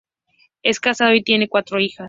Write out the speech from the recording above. Es casado y tiene cuatro hijas.